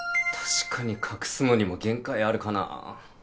確かに隠すのにも限界あるかなぁ。